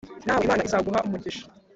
nawe Imana izaguha umugisha